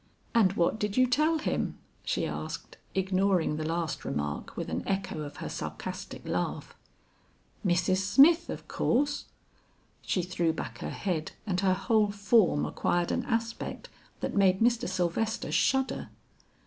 "And what did you tell him?" she asked, ignoring the last remark with an echo of her sarcastic laugh. "Mrs. Smith, of course." She threw back her head and her whole form acquired an aspect that made Mr. Sylvester shudder.